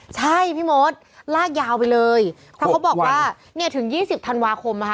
ใช่พี่มดลากยาวไปเลยเพราะเขาบอกว่าเนี่ยถึง๒๐ธันวาคมนะคะ